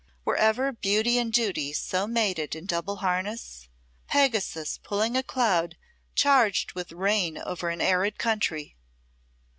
Were ever Beauty and Duty so mated in double harness? Pegasus pulling a cloud charged with rain over an arid country!